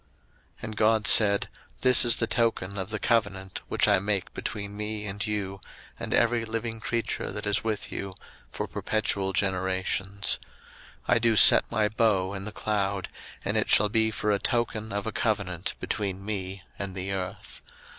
01:009:012 And God said, This is the token of the covenant which I make between me and you and every living creature that is with you, for perpetual generations: 01:009:013 I do set my bow in the cloud, and it shall be for a token of a covenant between me and the earth.